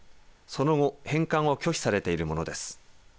その後返還を拒否されているものです。